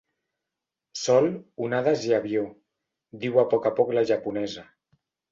Sol, onades i avió —diu a poc a poc la japonesa.